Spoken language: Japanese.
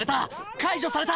解除された！